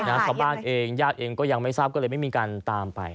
ชาวบ้านเองญาติเองก็ยังไม่ทราบก็เลยไม่มีการตามไป